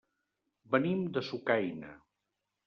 Venim de Sucaina.